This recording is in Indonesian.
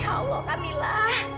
ya allah kamila